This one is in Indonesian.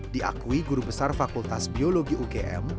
diakui guru besar fakultas biologi ugm